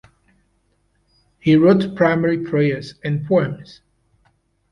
He wrote primarily prayers and poems.